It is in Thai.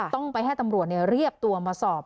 ต้องไปให้ตำรวจเรียกตัวมาสอบ